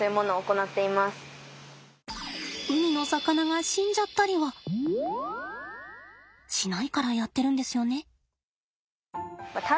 海の魚が死んじゃったりはしないからやってるんですよね。